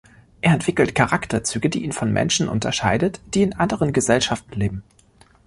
Er entwickelt Charakterzüge, die ihn von Menschen unterscheidet, die in anderen Gesellschaften leben.